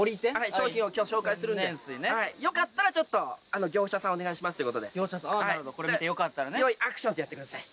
商品を今日紹介するんで天然水ねよかったら業者さんをお願いしますっていうことで業者さんなるほどこれ見てよかったらね用意アクションってやってください